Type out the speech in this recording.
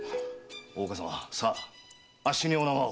大岡様あっしにお縄を。